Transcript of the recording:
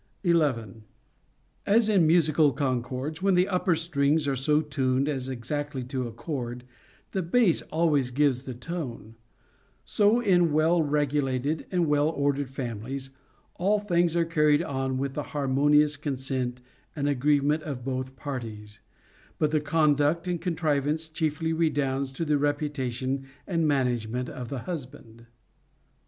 11. As in musical concords, when the upper strings are so tuned as exactly to accord, the base always gives the tone ; so in well regulated and well ordered families, all things are carried on with the harmonious consent and agreement of both parties, but the conduct and contrivance chiefly redounds to the reputation and management of the husband.